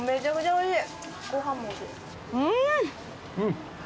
おいしい。